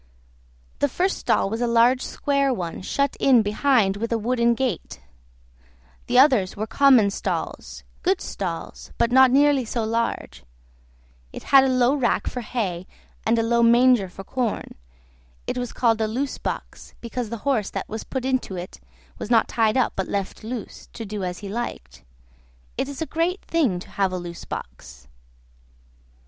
The first stall was a large square one, shut in behind with a wooden gate; the others were common stalls, good stalls, but not nearly so large; it had a low rack for hay and a low manger for corn; it was called a loose box, because the horse that was put into it was not tied up, but left loose, to do as he liked. It is a great thing to have a loose box.